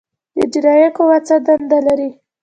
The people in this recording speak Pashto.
اجرائیه قوه څه دنده لري؟